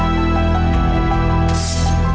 หมุนครับ